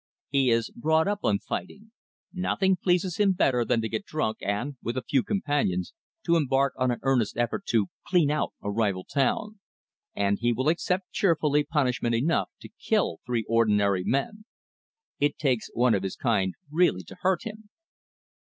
He is brought up on fighting. Nothing pleases him better than to get drunk and, with a few companions, to embark on an earnest effort to "clean out" a rival town. And he will accept cheerfully punishment enough to kill three ordinary men. It takes one of his kind really to hurt him.